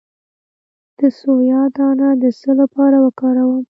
د سویا دانه د څه لپاره وکاروم؟